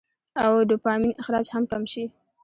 او ډوپامين اخراج هم کم شي -